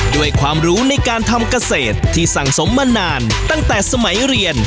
ด้วยความรู้ในการทำเกษตรที่สังสมมานานตั้งแต่สมัยเรียน